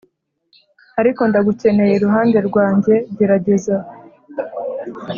ariko ndagukeneye 'iruhande rwanjyegerageza